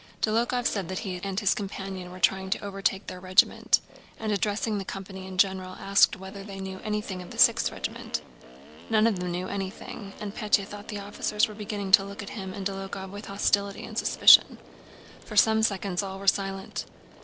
Dólokhov said that he and his companion were trying to overtake their regiment, and addressing the company in general asked whether they knew anything of the 6th Regiment. None of them knew anything, and Pétya thought the officers were beginning to look at him and Dólokhov with hostility and suspicion. For some seconds all were silent.